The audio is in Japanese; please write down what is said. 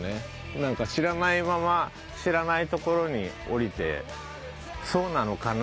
なんか知らないまま知らないところに降りてそうなのかな？